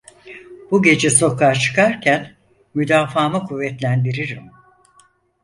Bu gece sokağa çıkarken müdafaamı kuvvetlendiririm.